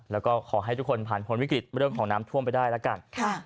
แล้วก็ขอให้ทุกคนผ่านพ้นวิกฤตเรื่องของน้ำท่วมไปได้แล้วกัน